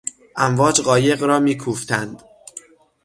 امواج قایق را میکوفتند.